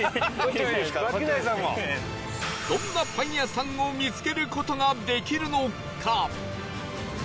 どんなパン屋さんを見つける事ができるのか？